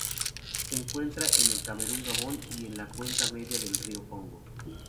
Se encuentra en el Camerún, Gabón y en la cuenca media del río Congo.